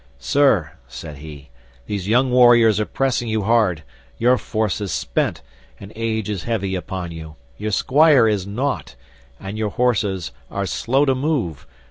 "Sir," said he, "these young warriors are pressing you hard, your force is spent, and age is heavy upon you, your squire is naught, and your horses are slow to move.